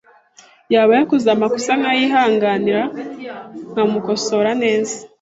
Yaba yakoze amakosa nkayihanganira, nkamukosora neza,